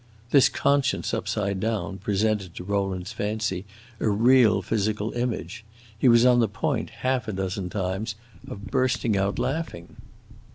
This conscience upside down presented to Rowland's fancy a real physical image; he was on the point, half a dozen times, of bursting out laughing.